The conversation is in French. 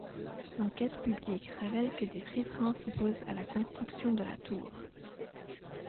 L'enquête publique révèle que des riverains s'opposent à la construction de la tour.